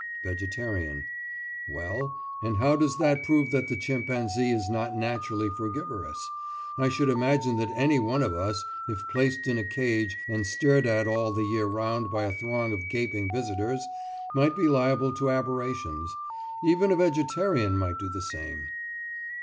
VEGETARIAN: Well, and how does that prove that the chimpanzee is not naturally frugivorous? I should imagine that any one of us, if placed in a cage, and stared at all the year round by a throng of gaping visitors, might be liable to aberrations. Even a vegetarian might do the same.